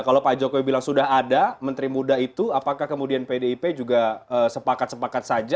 kalau pak jokowi bilang sudah ada menteri muda itu apakah kemudian pdip juga sepakat sepakat saja